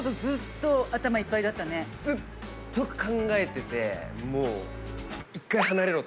ずっと考えてて。